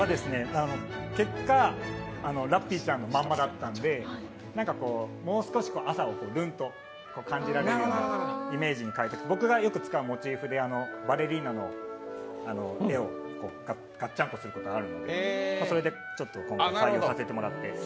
結果、ラッピーちゃんまんまだったので、もう少し朝をぐんと感じられるイメージに変えて僕がよく使うモチーフでバレリーナの絵をがっちゃんこすることがあるんですけど、それでちょっと採用させてもらって。